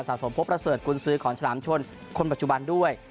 สมพบประเสริฐกุญซื้อของฉลามชนคนปัจจุบันด้วย